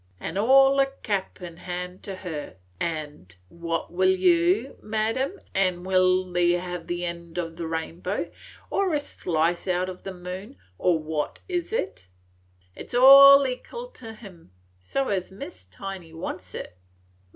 It 's all cap in hand to her, an' 'What you will, madam,' an' 'Will ye have the end o' the rainbow, or a slice out o' the moon, or what is it?' It 's all ekal to him, so as Miss Tiny wants it.